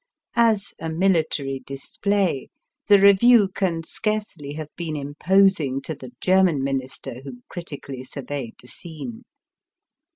As a military display the review can scarcely have been imposing to the German Minister who critically surveyed the scene.